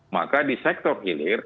maka di sektor hilir